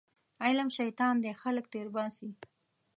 علم شیطان دی خلک تېرباسي